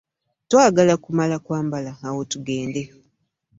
Twagala kumala kwambala awo tugende.